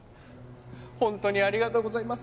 ほんとにありがとうございます。